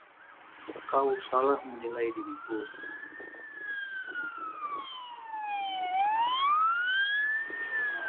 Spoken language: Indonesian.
Kau salah menilai diriku.